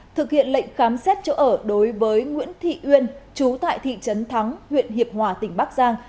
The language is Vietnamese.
thực hiện lệnh khám xét chỗ ở đối với nguyễn thị uyên chú tại thị trấn thắng huyện hiệp hòa tỉnh bắc giang